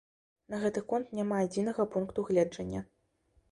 На гэты конт няма адзінага пункту гледжання.